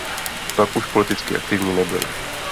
Pak už politicky aktivní nebyl.